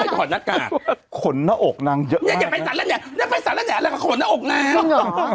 นี่ไปสั่งแล้วเนี่ยอะไรกับขนหน้าอกนาง